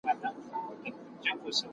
زه هره ورځ د تکړښت لپاره ځم؟!